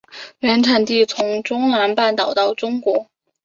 原产地从中南半岛到中国。